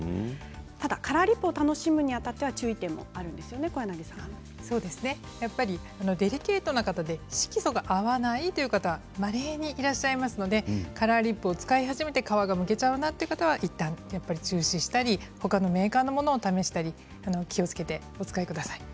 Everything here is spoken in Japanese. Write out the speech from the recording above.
ただカラーリップを楽しむにあたってはデリケートな方で色素が合わないという方がまれにいらっしゃいますのでカラーリップを使い始めて皮がむけてしまうなという方はいったん中止したり他のメーカーのものを試したり気をつけてお使いください。